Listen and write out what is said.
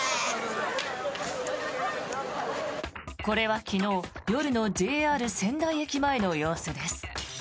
これは昨日夜のＪＲ仙台駅前の様子です。